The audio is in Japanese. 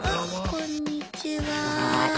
こんにちは。